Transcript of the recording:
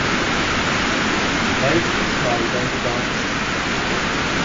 Melde dich mal, wenn du da bist.